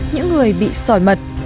những người bị sỏi mật